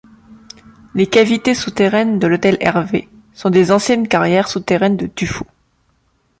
Les Cavités souterraines de l'Hôtel Hervé sont des anciennes carrières souterraines de tuffeau.